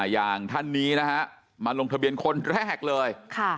อย่างท่านนี้นะฮะมาลงทะเบียนคนแรกเลย